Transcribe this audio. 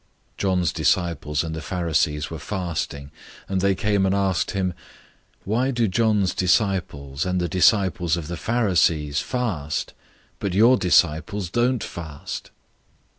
002:018 John's disciples and the Pharisees were fasting, and they came and asked him, "Why do John's disciples and the disciples of the Pharisees fast, but your disciples don't fast?"